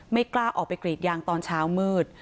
กล้าออกไปกรีดยางตอนเช้ามืด